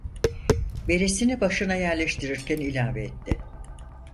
Beresini başına yerleştirirken ilave etti.